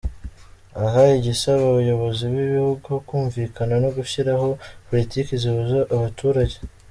Aha igasaba abayobozi b’ibihugu kumvikana no gushyiraho politiki zihuza abaturage.